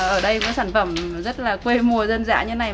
ở đây có sản phẩm rất là quê mùa dân dã như này